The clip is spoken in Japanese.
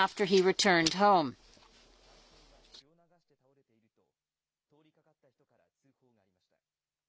住宅の玄関で男性が血を流して倒れていると、通りかかった人から通報がありました。